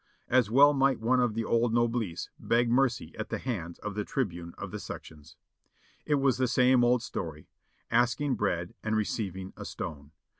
As well might one of the old Noblesse beg mercy at the hands of the Tribune of the Sections. It was the same old story: asking bread and receiving a stone.